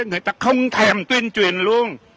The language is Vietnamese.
người ta không thèm tuyên truyền luôn